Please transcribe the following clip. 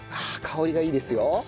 香りがいいですよ。